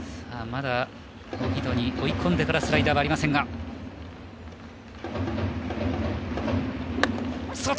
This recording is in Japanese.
まだ荻野に追い込んでからのスライダーはありませんが外。